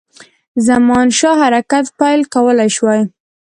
زمانشاه حرکت پیل کولای شوای.